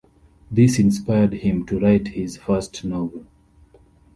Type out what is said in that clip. This inspired him to write his first novel.